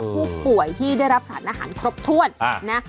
ผู้ป่วยที่ได้รับสารอาหารครบถ้วนนะ